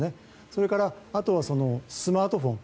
それからあとはスマートフォン。